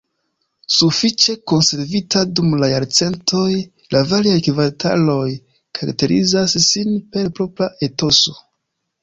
Sufiĉe konservita dum la jarcentoj, la variaj kvartaloj karakterizas sin per propra etoso.